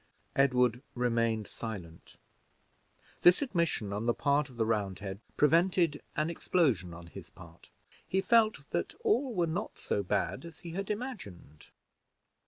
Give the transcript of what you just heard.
Edward remained silent: this admission on the part of the Roundhead prevented an explosion on his part. He felt that all were not so bad as he had imagined.